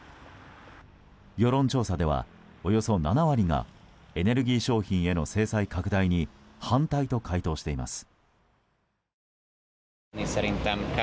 世論調査ではおよそ７割がエネルギー商品への制裁拡大に反対と回答しています。